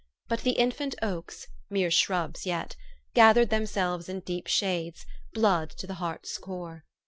But the infant oaks, mere shrubs yet, gathered themselves in deep shades, blood to the heart's core.